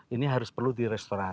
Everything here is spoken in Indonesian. ini harus perlu di restoran